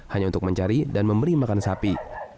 hanya untuk mencari dan memberi makan sapi